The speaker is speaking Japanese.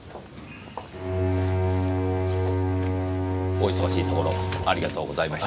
お忙しいところありがとうございました。